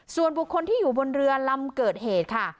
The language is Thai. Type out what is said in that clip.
ส่วนบุคคลที่อยู่บนเรือลำเกิดเหตุค่ะ